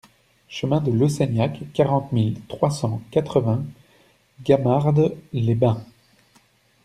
Chemin de Lausseignac, quarante mille trois cent quatre-vingts Gamarde-les-Bains